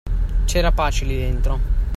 C'era pace, lì dentro.